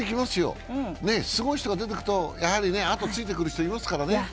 すごい人が出てくるとあとをついてくる人がいますからね。